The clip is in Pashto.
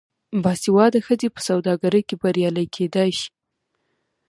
باسواده ښځې په سوداګرۍ کې بریالۍ کیدی شي.